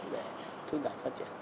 để thúc đẩy phát triển